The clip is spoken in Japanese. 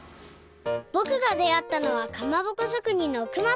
ぼくがであったのはかまぼこしょくにんの熊さん。